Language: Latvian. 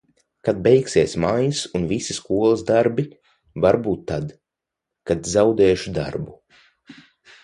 Kad beigsies maijs un visi skolas darbi, varbūt tad. Kad zaudēšu darbu.